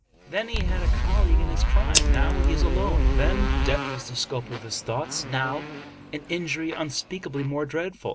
Then he had a colleague in his crime; now he is alone. Then death was the scope of his thoughts ; now an injury unspeakably more dreadful.